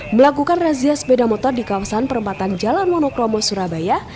melakukan razia sepeda motor di kawasan perempatan jalan monokromo surabaya